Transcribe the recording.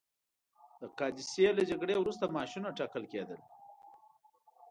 د قادسیې له جګړې وروسته معاشونه ټاکل کېدل.